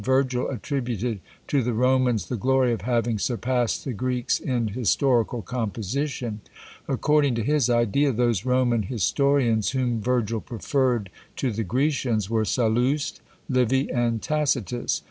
Virgil attributed to the Romans the glory of having surpassed the Greeks in historical composition: according to his idea, those Roman historians whom Virgil preferred to the Grecians were Sallust, Livy, and Tacitus.